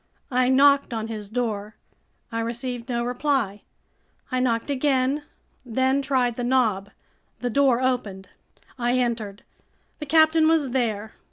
I knocked on his door. I received no reply. I knocked again, then tried the knob. The door opened. I entered. The captain was there.